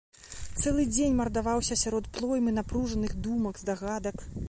Цэлы дзень мардаваўся сярод плоймы напружаных думак, здагадак.